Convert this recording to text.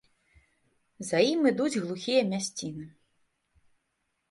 За ім ідуць глухія мясціны.